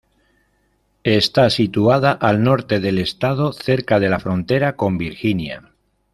Está situada al norte del estado, cerca de la frontera con Virginia.